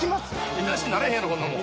見出しにならへんやろこんなもん。